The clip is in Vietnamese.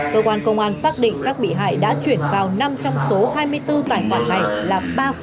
cơ quan công an xác định các bị hại đã chuyển vào năm trong số hai mươi bốn tài khoản này là ba